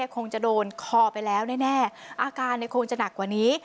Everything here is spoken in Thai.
คงจะโดนคอไปแล้วแน่อาการคงจะหนักกว่านี้